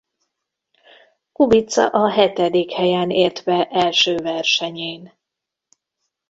Kubica a hetedik helyen ért be első versenyén.